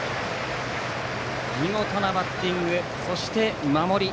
見事なバッティングそして守り。